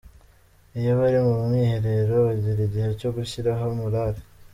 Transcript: Iyo bari mu mwiherero bagira igihe cyo gushyiraho morale.